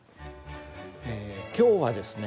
え今日はですね